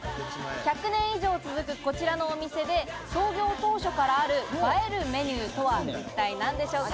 １００年以上続くこちらのお店で、創業当初からある映えるメニューとは、一体何でしょうか？